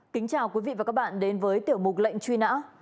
kính chào quý vị và các bạn đến với tiểu mục lệnh truy nã